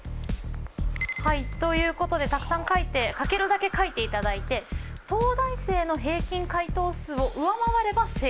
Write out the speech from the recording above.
はいということでたくさん書いて書けるだけ書いていただいて東大生の平均回答数を上回れば正解ということにします。